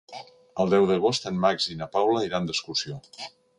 El deu d'agost en Max i na Paula iran d'excursió.